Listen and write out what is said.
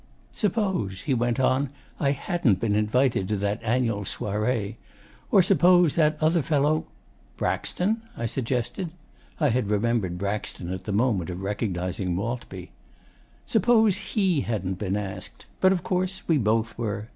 'Suppose,' he went on, 'I hadn't been invited to that Annual Soiree; or suppose that other fellow, 'Braxton?' I suggested. I had remembered Braxton at the moment of recognising Maltby. 'Suppose HE hadn't been asked.... But of course we both were.